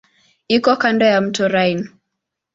Iko kando ya mto Rhine.